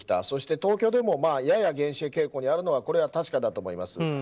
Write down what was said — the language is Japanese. そして東京でもやや減少傾向にあるのはこれは確かだと思います。